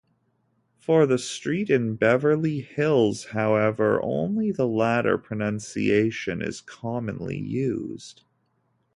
For the street in Beverly Hills, however, only the latter pronunciation is commonly used.